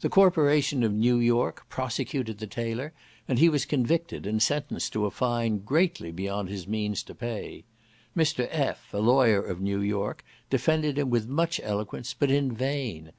The corporation of New York prosecuted the tailor, and he was convicted, and sentenced to a fine greatly beyond his means to pay. Mr. F., a lawyer of New York, defended him with much eloquence, but in vain.